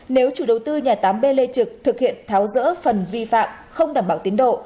nếu chủ đầu tư nhà tám b lê trực thực hiện tháo rỡ phần vi phạm không đảm bảo tiến độ